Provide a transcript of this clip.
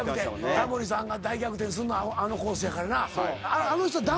タモリさんが大逆転すんのあのコースやからな。